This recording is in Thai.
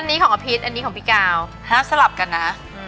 อันนี้ของอภิษอันนี้ของพี่กาวห้ามสลับกันนะ